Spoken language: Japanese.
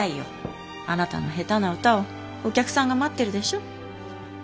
あなたの下手な歌をお客さんが待ってるでしょ。